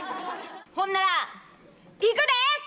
ほんならいくで！